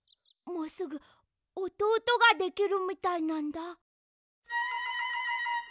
もうすぐおとうとができるみたいなんだ。